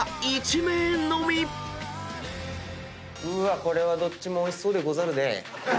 これはどっちもおいしそうでござるね。